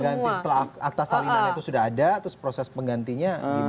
untuk mengganti setelah akta salinannya itu sudah ada terus proses penggantinya gimana